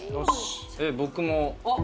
僕も。